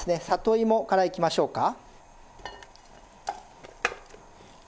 里芋からいきましょうか。